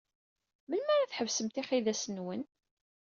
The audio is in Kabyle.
Melmi ara tḥebsem tixidas-nwen?